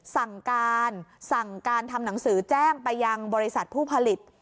สั่งการสั่งการทำหนังสือแจ้งไปยังบริษัทผู้ผลิต